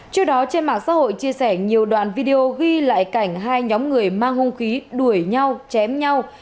trước đó trên mạng xã hội chia sẻ nhiều đoạn video ghi lại cảnh hai nhóm người mang hung khí đuổi nhau chém nhau